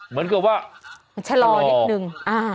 เหมือนกับว่าชะลอติดหนึ่งอ่า